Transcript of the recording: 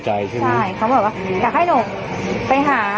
ใช่เขาบอกว่าอยากให้หนูไปหา